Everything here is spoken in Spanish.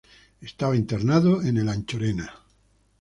Estaba internado en el Anchorena.